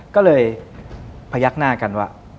ก็เลยพยักหน้ากันว่า